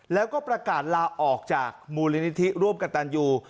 แล้วก็ประกาศลาออกจากมูลนิธิร่วมกับตันยู